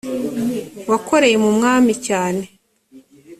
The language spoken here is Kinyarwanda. wakoreye mu mwami cyane